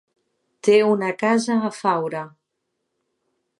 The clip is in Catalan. Té una casa a Faura.